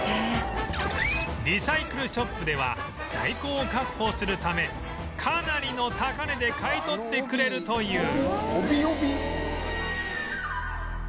リサイクルショップでは在庫を確保するためかなりの高値で買い取ってくれるという